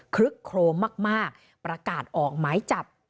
ลึกโครมมากประกาศออกหมายจับ